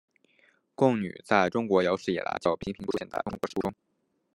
贡女在中国有史以来就频频出现在中国史书中。